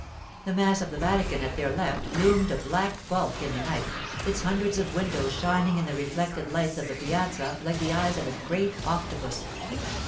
The mass of the Vatican at their left loomed a black bulk in the night, its hundreds of windows shining in the reflected lights of the piazza like the eyes of a great octopus.